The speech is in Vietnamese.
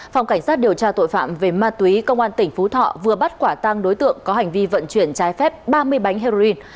phòng cảnh sát điều tra tội phạm về ma túy công an tỉnh phú thọ vừa bắt quả tang đối tượng có hành vi vận chuyển trái phép ba mươi bánh heroin